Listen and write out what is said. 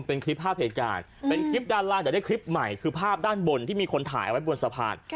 เป็นคลิปภาพเหตุการณ์เป็นคลิปด้านล่างแต่ได้คลิปใหม่คือภาพด้านบนที่มีคนถ่ายเอาไว้บนสะพาน